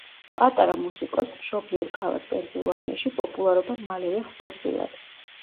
პატარა მუსიკოსს მშობლიურ ქალაქ პენსილვანიაში პოპულარობა მალევე ხვდა წილად.